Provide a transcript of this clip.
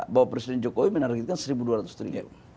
bahwa presiden jokowi menargetkan rp satu dua ratus triliun